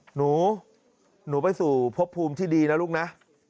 หนูหนูไปสู่พบภูมิที่ดีนะลูกนะ